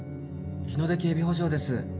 日の出警備保障です。